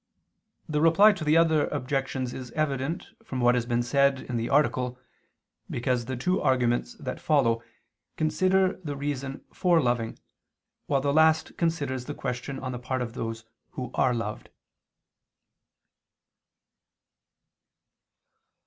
The Reply to the other Objections is evident from what has been said in the article, because the two arguments that follow consider the reason for loving, while the last considers the question on the part of those who are loved.